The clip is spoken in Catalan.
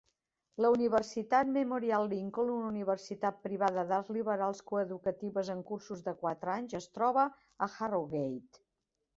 La Universitat Memorial Lincoln, una universitat privada d'arts liberals coeducatives amb cursos de quatre anys, es troba a Harrogate.